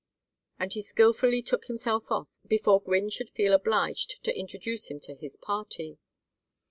And he skilfully took himself off, before Gwynne should feel obliged to introduce him to his party.